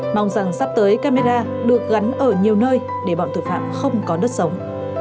mong rằng sắp tới camera được gắn ở nhiều nơi để bọn tội phạm không có đất sống